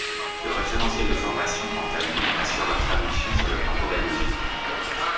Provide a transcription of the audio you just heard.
Le référentiel de formation, quant à lui, assure leur traduction sur le plan pédagogique.